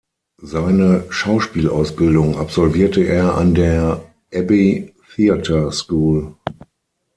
Seine Schauspielausbildung absolvierte er an der "Abbey Theatre School".